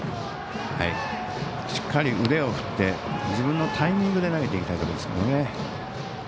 しっかり腕を振って自分のタイミングで投げていきたいところですけどね。